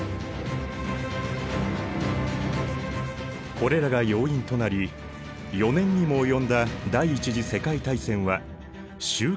これらが要因となり４年にも及んだ第一次世界大戦は終結を迎えた。